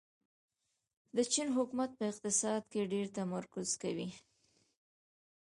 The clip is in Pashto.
د چین حکومت په اقتصاد ډېر تمرکز کوي.